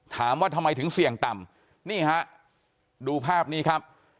ถามว่าทำไมถึงเสี่ยงต่ำนี่ฮะดูภาพนี้ครับ